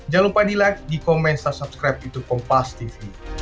jangan lupa di like di komen dan subscribe youtube pompas tv